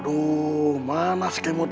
aduh mana sih kemurtaan mau ke melapun itu